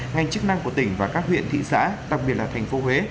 ngành chức năng của tỉnh và các huyện thị xã đặc biệt là thành phố huế